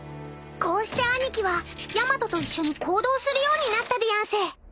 ［こうして兄貴はヤマトと一緒に行動するようになったでやんす］